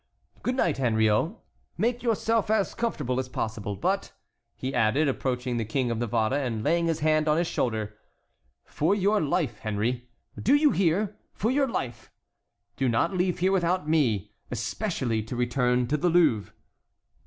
Good night, Henriot. Make yourself as comfortable as possible. But," he added, approaching the King of Navarre and laying his hand on his shoulder, "for your life, Henry,—do you hear? for your life,—do not leave here without me, especially to return to the Louvre."